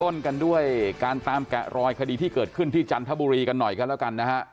กันด้วยการตามแกะรอยคดีที่เกิดขึ้นที่จันทบุรีกันหน่อยกันแล้วกันนะฮะ